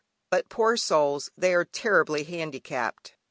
But, poor souls, they are terribly handicapped!